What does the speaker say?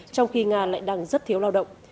trong khi nga lại đang rất thiếu lao động